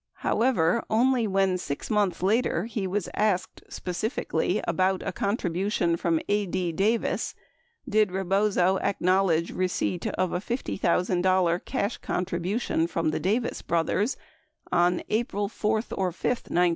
71 However, only when 6 months later he was asked specifically about a contribution from A. D. Davis, did Rebozo acknowledge receipt of a $50,000 cash contribution from the Davis brothers on "April 4 or 5," 1972.